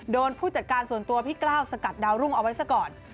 ผู้จัดการส่วนตัวพี่กล้าวสกัดดาวรุ่งเอาไว้ซะก่อน